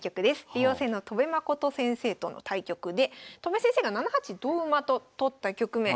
竜王戦の戸辺誠先生との対局で戸辺先生が７八同馬と取った局面。